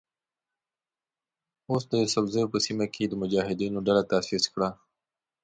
او د یوسفزیو په سیمه کې یې د مجاهدینو ډله تاسیس کړه.